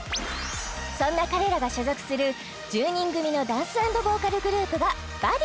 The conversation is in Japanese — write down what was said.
そんな彼らが所属する１０人組のダンス＆ボーカルグループがＢＵＤＤｉｉＳ